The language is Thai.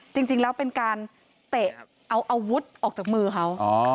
จริงแล้วเป็นการเตะเอาอาวุธออกจากมือเขา